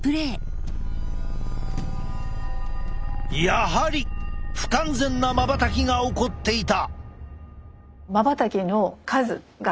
やはり不完全なまばたきが起こっていた。